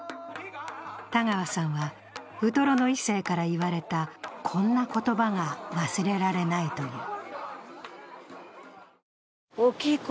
田川さんはウトロの１世から言われた、こんな言葉が忘れられないという。